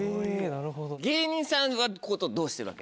芸人さんはどうしてるわけ？